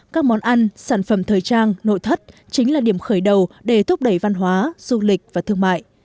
các món ăn sản phẩm thời trang nội thất chính là điểm khởi đầu để thúc đẩy văn hóa du lịch và thương mại